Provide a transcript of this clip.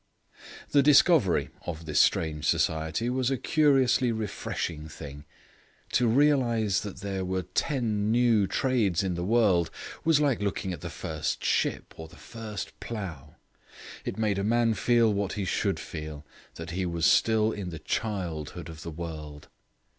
The discovery of this strange society was a curiously refreshing thing; to realize that there were ten new trades in the world was like looking at the first ship or the first plough. It made a man feel what he should feel, that he was still in the childhood of the world.